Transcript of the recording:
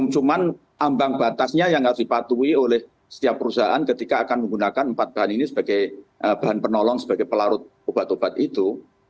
cuman ambang batasnya yang harus dipatuhi oleh setiap perusahaan ketika akan menggunakan empat bahan ini sebagai bahan penolong sebagai pelarut obat obat itu